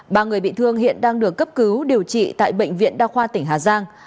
ba người bị thương hiện đang được cấp cứu điều trị tại bệnh viện đa khoa tỉnh hà giang